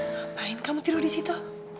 ngapain kamu tidur di situ